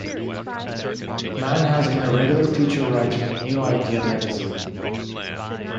Mann has been a regular feature writer in "New Idea" magazine.